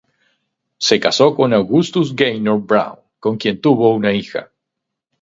Se casó con Augustus Gaynor Brown, con quien tuvo una hija.